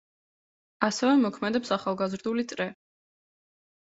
ასევე მოქმედებს ახალგაზრდული წრე.